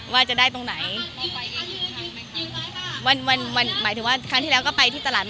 ว่าจะได้ตรงไหนค่ะ